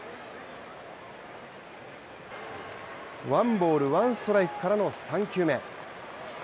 ワンボール・ワンストライクからの３球目。